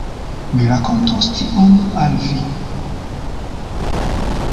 Mi rakontos tion al vi.